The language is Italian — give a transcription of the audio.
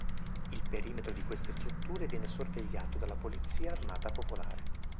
Il perimetro di queste strutture viene sorvegliato dalla polizia armata popolare.